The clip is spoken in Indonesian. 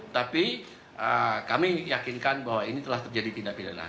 tapi kami yakinkan bahwa ini telah terjadi tindak pidana